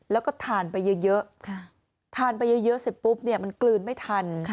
แล้วก็ทานไปเยอะทานไปเยอะเสร็จปุ๊บมันกลืนไม่ทัน